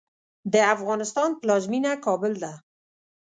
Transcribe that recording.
د افغانستان پلازمېنه کابل ده